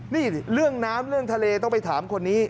นี่เรื่องน้ำเรื่องทะเลต้องไปถามคนนี้